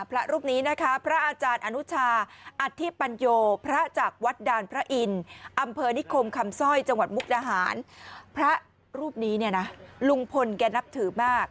พระรูปนี้เนี่ยนะลุงพลแกนับถือมาก